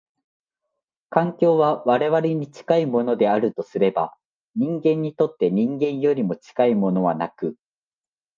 環境は我々に近いものであるとすれば、人間にとって人間よりも近いものはなく、